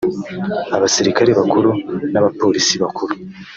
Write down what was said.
abasirikare bakuru n’abapolisi bakuru